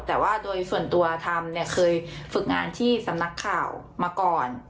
แต่ว่าโดยส่วนตัวทำเนี่ยเคยฝึกงานที่สำนักข่าวมาก่อน